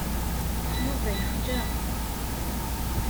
Yuba yexla.